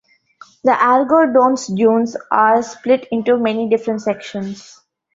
The Algodones Dunes are split into many different sections.